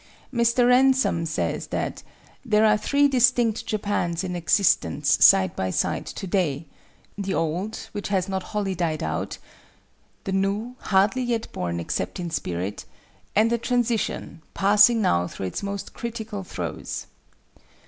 Mr. Ransome says that "there are three distinct Japans in existence side by side to day,—the old, which has not wholly died out; the new, hardly yet born except in spirit; and the transition, passing now through its most critical throes."